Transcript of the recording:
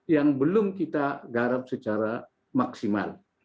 yang belum kita garap secara maksimal